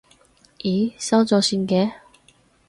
咦，收咗線嘅？